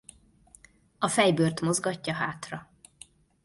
A fejbőrt mozgatja hátra.